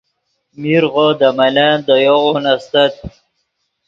میرغو دے ملن دے یوغون استت